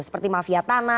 seperti mafia tana